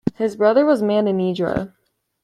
His brother was Maninidra.